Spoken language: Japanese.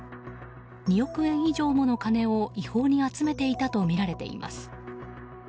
２億円以上もの金を違法に集めていたとみられています。